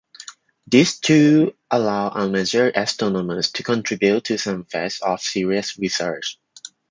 This tool allowed amateur astronomers to contribute to some phases of serious research.